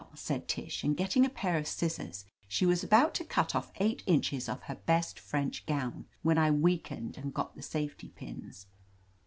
said Tish', and getting a pair 'of scissors, she was about to cut off eight inches of her best French gown, when I weak ened and got the safety pins.